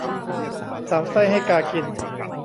สาวไส้ให้กากิน